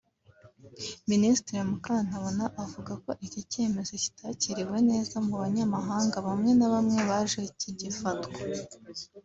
Minisitiri Mukantabana avuga ko iki cyemezo kitakiriwe neza mu banyamahanga bamwe na bamwe baje kigifatwa